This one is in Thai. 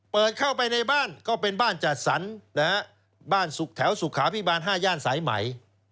เปิดเข้าไปในบ้านก็เป็นบ้านจัดสรรบ้านแถวสุขาพิบาล๕ย่านสายไหม